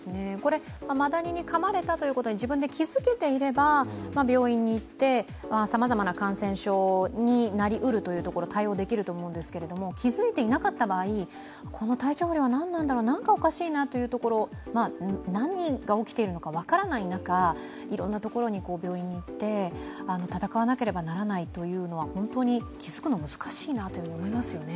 マダニにかまれたということに自分で気づけていれば、病院に行ってさまざまな感染症になりうるというところ、対応できると思うんですけれども、気づいていなかった場合、この体調不良は何なんだろう、何かおかしいなという感じで何が起きているのか分からない中いろんな病院に行って闘わなければならないというのは本当に気づくのが難しいなと思いますね。